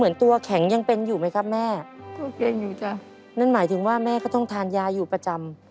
นั่นหมายถึงว่าแม่ก็ต้องทานยาอยู่ประจำ